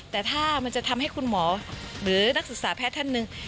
แต่ถ้ามันจะทำให้คุณหมอหรือนักศึกษาแพทย์ท่านหนึ่ง